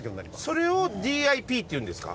それをＤＩＰっていうんですか？